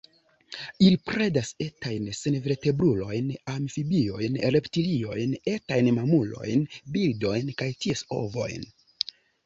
Ili predas etajn senvertebrulojn, amfibiojn, reptiliojn, etajn mamulojn, birdojn kaj ties ovojn.